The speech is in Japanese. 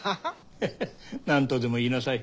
なんとでも言いなさい。